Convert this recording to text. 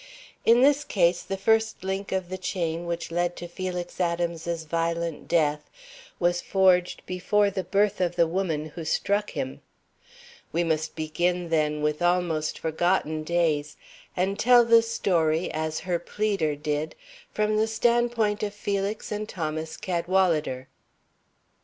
In this case, the first link of the chain which led to Felix Adams's violent death was forged before the birth of the woman who struck him. We must begin, then, with almost forgotten days, and tell the story, as her pleader did, from the standpoint of Felix and Thomas Cadwalader.